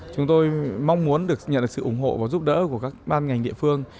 chúng tôi mong muốn được nhận được sự ủng hộ và giúp đỡ của các ban ngành địa phương